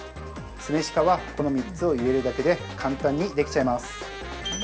酢飯化は、この３つを入れるだけで、簡単にできちゃいます。